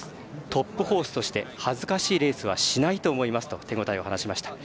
トップホースとして恥ずかしいレースはしないと思いますと手応えを話しました。